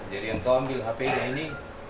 jadi yang kau ambil hp nya ini